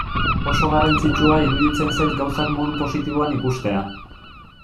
Oso garrantzitsua iruditzen zait gauzak modu positiboan ikustea.